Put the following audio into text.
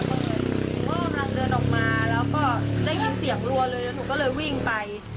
หนูก็กำลังเดินออกมาแล้วก็ได้ยินเสียงรัวเลยหนูก็เลยวิ่งไป